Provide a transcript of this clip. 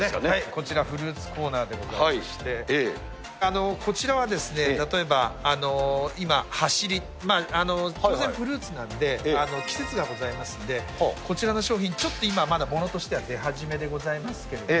こちらフルーツコーナーでございまして、こちらは例えば今、はしり、当然フルーツなんで、季節がございますので、こちらの商品、ちょっと今はまだ、ものとしては出始めでございますけれども。